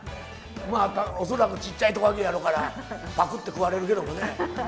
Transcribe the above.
恐らくちっちゃいトカゲやろうから、ぱくって食われるけどもね。